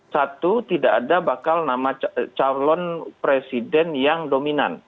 satu tidak ada bakal nama calon presiden yang dominan